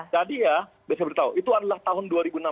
tadi ya saya beritahu itu adalah tahun dua ribu enam belas